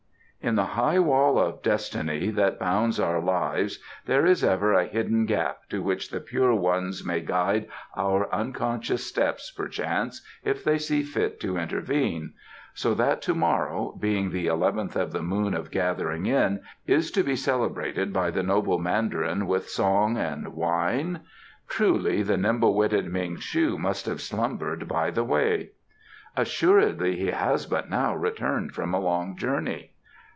"In the high wall of destiny that bounds our lives there is ever a hidden gap to which the Pure Ones may guide our unconscious steps perchance, if they see fit to intervene. ... So that to morrow, being the eleventh of the Moon of Gathering in, is to be celebrated by the noble Mandarin with song and wine? Truly the nimble witted Ming shu must have slumbered by the way!" "Assuredly he has but now returned from a long journey."